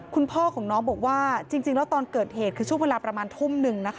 คุณพ่อของน้องบอกว่าจริงแล้วตอนเกิดเหตุคือช่วงเวลาประมาณทุ่มนึงนะคะ